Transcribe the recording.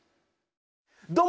どうも！